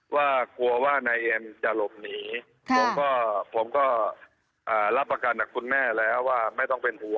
ว่ากลัวว่านายเอ็มจะหลบหนีผมก็ผมก็รับประกันจากคุณแม่แล้วว่าไม่ต้องเป็นห่วง